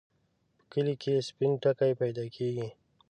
په کلي کې سپين ټکی پیدا کېږي.